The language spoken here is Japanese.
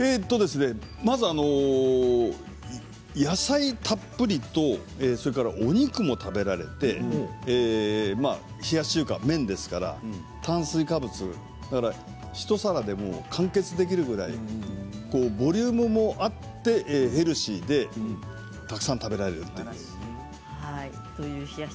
まず野菜たっぷりとそれからお肉も食べられて冷やし中華、麺ですから炭水化物一皿で完結できるくらいボリュームもあってヘルシーでたくさん食べられるという。